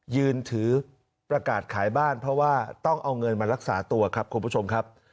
ยืนถือประกาศขายบ้านเพราะว่าต้องเอาเงินมารักษาตัวครับคุณผู้ชมครับ